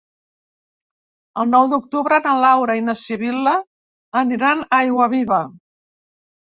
El nou d'octubre na Laura i na Sibil·la aniran a Aiguaviva.